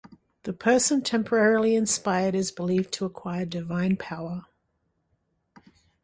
The person temporarily inspired is believed to acquire divine power.